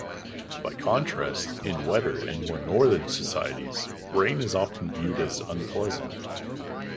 By contrast in wetter and more northern societies, rain is often viewed as unpleasant.